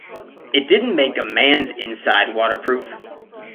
It didn't make a man's inside waterproof.